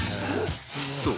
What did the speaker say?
そう！